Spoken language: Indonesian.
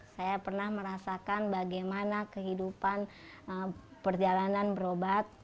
saya pernah merasakan bagaimana kehidupan perjalanan berobat